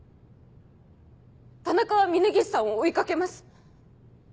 田中は峰岸さんを追い掛けます。